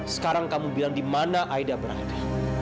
sekarang kamu bilang di mana aida berada